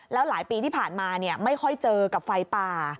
แล้วหลายปีที่ผ่านมาไม่ค่อยเจอกับไฟป่า